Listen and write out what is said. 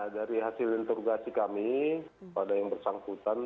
dari hasil interogasi kami pada yang bersangkutan